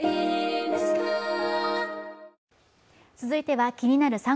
続いては「気になる！